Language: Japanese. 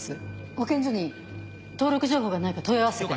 保健所に登録情報がないか問い合わせて。